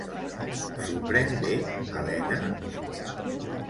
S'ho pren bé, Elena?